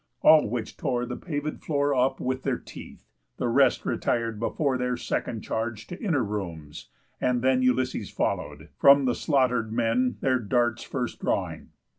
All which tore the pavéd floor Up with their teeth. The rest retir'd before Their second charge to inner rooms; and then Ulysses follow'd; from the slaughter'd men Their darts first drawing.